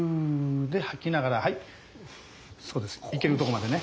で吐きながらそうですいけるとこまでね。